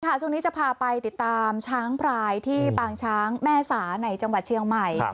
ช่วงนี้จะพาไปติดตามช้างพรายที่ปางช้างแม่สาในจังหวัดเชียงใหม่